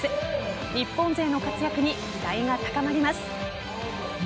日本勢の活躍に期待が高まります。